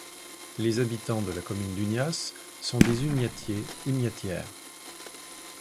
Les habitants de la commune d'Unias sont des Uniatiers, Uniatières.